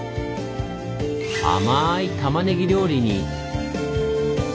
甘いたまねぎ料理に。